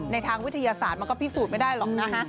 ทางวิทยาศาสตร์มันก็พิสูจน์ไม่ได้หรอกนะคะ